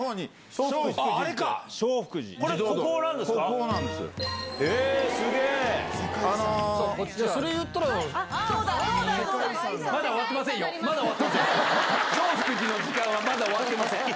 正福寺の時間はまだ終わってません。